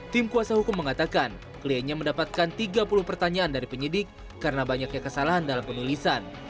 tim kuasa hukum mengatakan kliennya mendapatkan tiga puluh pertanyaan dari penyidik karena banyaknya kesalahan dalam penulisan